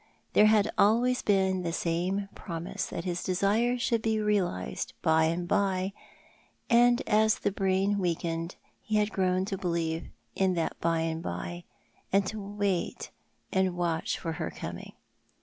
There had always been the same promise tliat his desire should be realised hy and by — and as the braiu weakened he had grown to believe in that by and by, and to wait and watch for her coming.